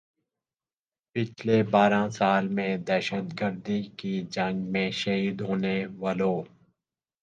پچھلے بارہ سال میں دہشت گردی کی جنگ میں شہید ہونے والوں